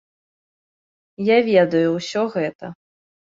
Я ведаю ўсё гэта.